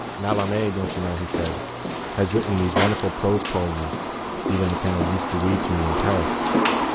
—Mallarmé, don't you know, he said, has written those wonderful prose poems Stephen MacKenna used to read to me in Paris.